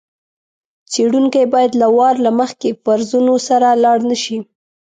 څېړونکی باید له وار له مخکې فرضونو سره لاړ نه شي.